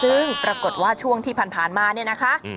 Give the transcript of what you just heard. ซึ่งปรากฏว่าช่วงที่ผ่านมาเนี่ยนะคะ